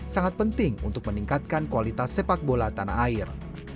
sangat penting untuk meningkatkan kualitas sepak bola tanah air